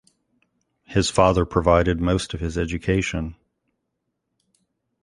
His father provided most of his education.